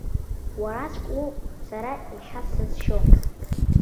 Уараӡәк уоуп сара ешьас сызшьо!